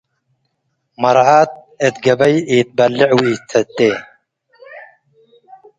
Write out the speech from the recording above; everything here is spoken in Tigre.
መርዓት እት ገበይ ኢትበሌዕ ወኢትሰቴ ።